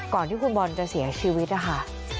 ก่อนที่คุณบอลจะเสียชีวิตนะคะ